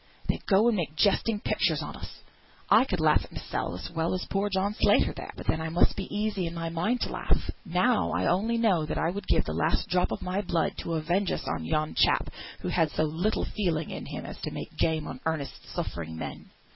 They go and make jesting pictures of us! I could laugh at mysel, as well as poor John Slater there; but then I must be easy in my mind to laugh. Now I only know that I would give the last drop o' my blood to avenge us on yon chap, who had so little feeling in him as to make game on earnest, suffering men!"